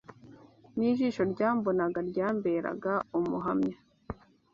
N’ijisho ryambonaga ryamberaga umuhamya,